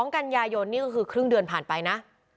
กันยายนนี่ก็คือครึ่งเดือนผ่านไปนะ